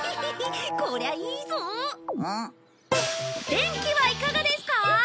電気はいかがですか？